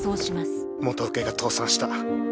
元請けが倒産した。